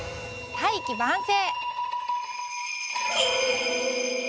「大器晩成」。